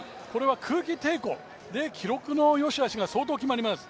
空気抵抗、記録のよしあしが相当決まります。